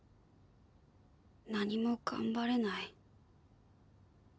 何も頑張れない。